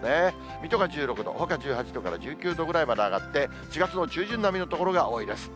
水戸が１６度、ほか１８度から１９度ぐらいまで上がって、４月の中旬並みの所が多いです。